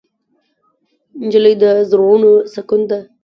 نجلۍ د زړونو سکون ده.